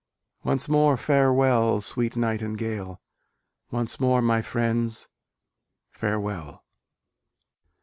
Once more farewell, Sweet Nightingale! Once more, my friends! farewell.